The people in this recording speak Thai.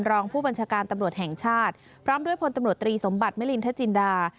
รองผู้บัญชาการตำรวจแห่งชาติพร้อมด้วยพลตำรวจตรีสมบัติมิลินทจินดา